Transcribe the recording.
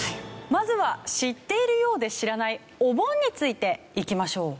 まずは知っているようで知らないお盆についていきましょう。